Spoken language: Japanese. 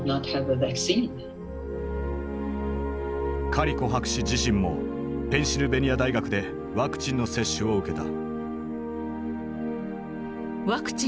カリコ博士自身もペンシルベニア大学でワクチンの接種を受けた。